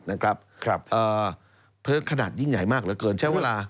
เพราะฉะนั้นขนาดยิ่งใหญ่มากเหลือเกินใช้เวลา